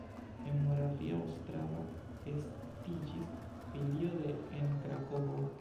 En Moravia Ostrava estiĝis filio de en Krakovo.